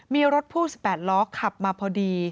มีรถพ่วง๑๘ล้อขับมาพอดี